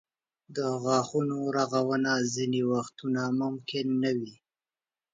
د غاښونو رغونه ځینې وختونه ممکنه نه وي.